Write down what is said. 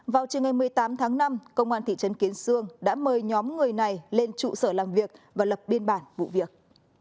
vào chiều ngày một mươi tám tháng năm công an thị trấn kiến sương đã mời nhóm người này lên trụ sở làm việc và lập biên bản vụ việc